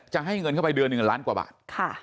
จะให้เงินเข้าไปเดือนหนึ่งล้านกว่าบาท